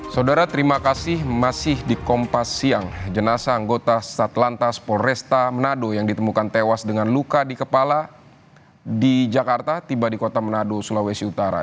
saudara terima kasih masih di kompas siang jenazah anggota satlantas polresta manado yang ditemukan tewas dengan luka di kepala di jakarta tiba di kota manado sulawesi utara